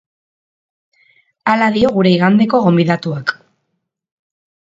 Hala dio gure igandeko gonbidatuak.